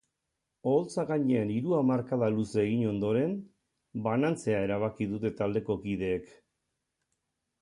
Oholtza gainean hiru hamarkada luze egin ondoren, banantzea erabaki dute taldeko kideek.